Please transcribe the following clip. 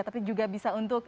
tapi juga bisa untuk